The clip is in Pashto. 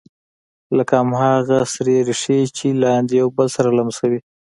لکه هماغه سرې ریښې چې لاندې یو بل سره لمسوي